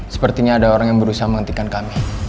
sepertinya ada orang yang berusaha menghentikan kami